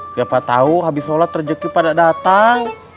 siapa tahu habis sholat rejeki pada datang